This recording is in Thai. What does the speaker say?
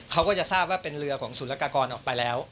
เขาก็จะทราบว่าเป็นเรือของศูนยากากรออกไปแล้ว